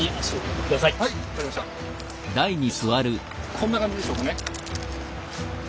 こんな感じでしょうかね。